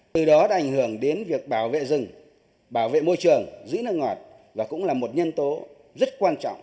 từ đó đã ảnh hưởng đến việc bảo vệ rừng bảo vệ môi trường giữ nước ngọt và cũng là một nhân tố rất quan trọng